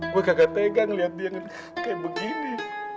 gue kagak tegang liat dia kayak begini